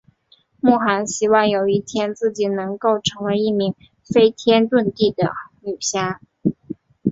莫涵希望有一天自己能够成为一名飞天遁地的女侠。